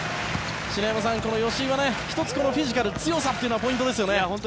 篠山さん、この吉井は１つ、フィジカル強さというのはポイントですね。